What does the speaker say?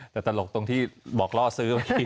แต่ตลกตรงที่บอกล่อซื้อเมื่อกี้